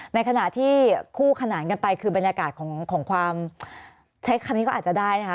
ในขณะที่คู่ขนานกันไปคือบรรยากาศของความใช้คำนี้ก็อาจจะได้นะคะ